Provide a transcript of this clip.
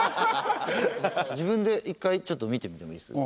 自分で１回ちょっと見てみてもいいですか？